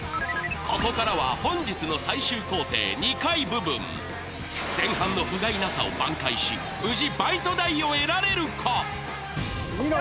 ここからは、本日の最終工程、２階部分。前半のふがいなさを挽回し、無事、バイト代を得られるか。